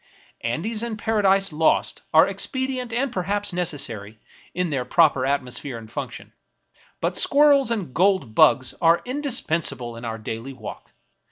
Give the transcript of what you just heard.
Andes and Paradises Lost are expedient and perhaps necessary in their proper atmosphere and function ; but Squirrels and Gold Bugs are indispensable in our daily walk.